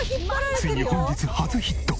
ついに本日初ヒット！